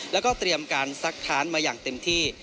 แล้วก็เตรียมการซักค้านมาอย่างเต็มที่